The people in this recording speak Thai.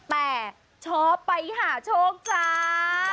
แต่ชอบไปหาโชคจ้า